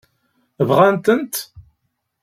Bɣan-tent?